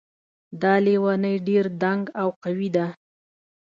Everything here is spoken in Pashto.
دا لیونۍ ډېر دنګ او قوي ده